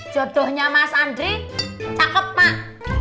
jodohnya mas andri cakep mak